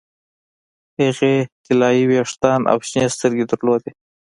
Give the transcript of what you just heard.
هغې طلايي ویښتان او شنې سترګې درلودې